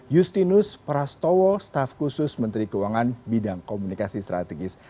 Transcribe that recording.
yustinus prastowo staff khusus menteri keuangan bidang komunikasi strategis